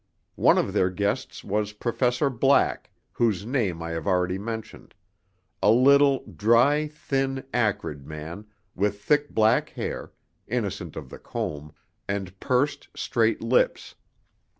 One of their guests was Professor Black, whose name I have already mentioned a little, dry, thin, acrid man, with thick black hair, innocent of the comb, and pursed, straight lips.